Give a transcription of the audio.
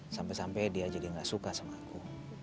sampai sampai dia jadi nggak suka sama aku